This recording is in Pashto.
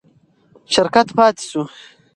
شرکت پاتې شو.